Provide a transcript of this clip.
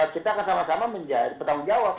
kita akan sama sama bertanggung jawab